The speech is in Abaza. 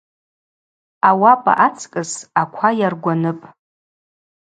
Ауапӏа ацкӏыс аква йаргваныпӏ.